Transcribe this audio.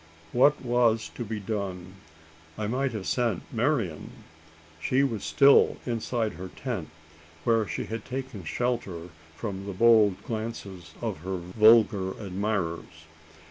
What was to be done? I might have sent Marian. She was still inside her tent, where she had taken shelter from the bold glances of her vulgar admirers.